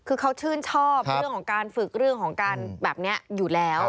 คือเขาชื่นชอบเรื่องของการฝึกเรื่องของการแบบนี้อยู่แล้ว